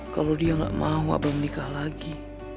kalau dia gak mau abah menikah lagi